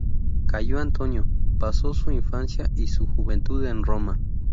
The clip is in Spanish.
Cayo Antonio pasó su infancia y su juventud en Roma.